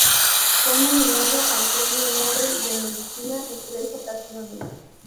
Fue nominado al Premio Nobel de Medicina en tres ocasiones.